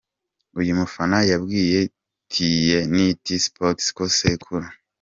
Uyu mufana yabwiye tiyeniti Sports ko sekuru